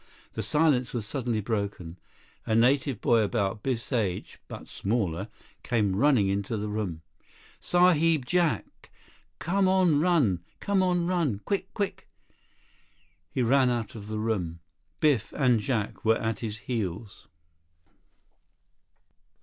The silence was suddenly broken. A native boy about Biff's age, but smaller, came running into the room. "Sahib Jack! Come on run! Come on run! Quick! Quick!" He ran out of the room. Biff and Jack were at his heels.